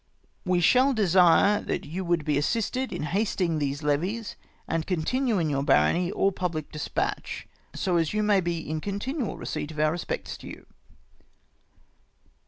" We shall desire that you would be assisted in hasting these levies, and continue in your barony all public despatch, so as you may be in continual receipt of our respects to you.